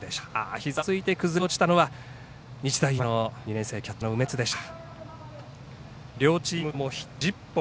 膝をついて崩れ落ちたのは日大山形の２年生キャッチャーの梅津でした。